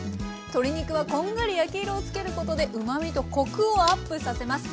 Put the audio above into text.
鶏肉はこんがり焼き色をつけることでうまみとコクをアップさせます。